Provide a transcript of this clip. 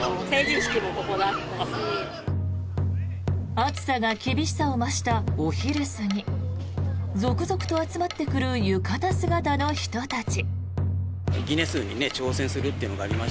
暑さが厳しさを増したお昼過ぎ続々と集まってくる浴衣姿の人たち。